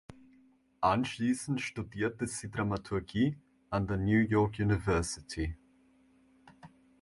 Anschließend studierte sie Dramaturgie an der New York University.